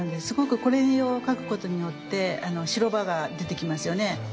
すごくこれを描くことによって白場が出てきますよね。